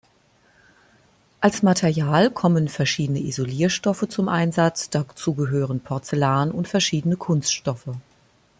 Als Material kommen verschiedene Isolierstoffe zum Einsatz, dazu gehören Porzellan und verschiedene Kunststoffe.